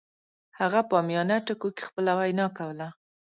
هغه په عامیانه ټکو کې خپله وینا کوله